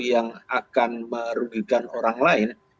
yang akan merugikan orang lain